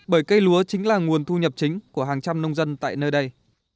bởi cây lúa chính là nguồn thu nhập chính của hàng trăm nông dân tại nơi đây